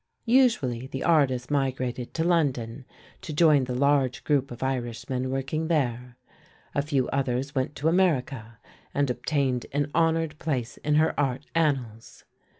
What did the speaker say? Usually the artist migrated to London to join the large group of Irishmen working there; a few others went to America and obtained an honored place in her art annals.